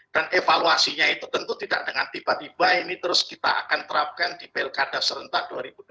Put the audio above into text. dan evaluasinya itu tentu tidak dengan tiba tiba ini terus kita akan terapkan di belkada serentak dua ribu dua puluh empat